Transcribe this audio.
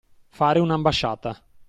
Fare un'ambasciata.